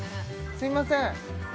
すいません